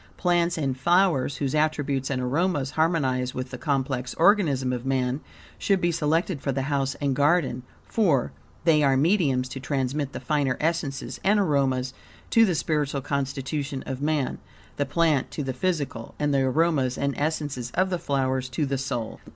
Plants and flowers, whose attributes and aromas harmonize with the complex organism of man, should be selected for the house and garden, for, they are mediums to transmit the finer essences and aromas to the spiritual constitution of man; the plant to the physical, and the aromas and essences of the flowers to the soul.